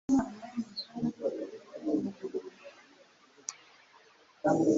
biboneye Uwagaburiye abantu ibihumbi bitanu